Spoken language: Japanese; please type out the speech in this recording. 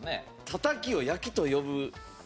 たたきを焼きと呼ぶ？